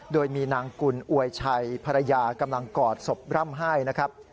โดยมีนางกุลอวยชัยภรรยากำลังกอดศพร่ำไห้นะครับ